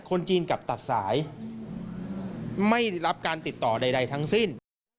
คนจีนกลับตัดสายไม่ได้รับการติดต่อใดทั้งสิ้น